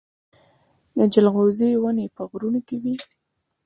د جلغوزي ونې په غرونو کې وي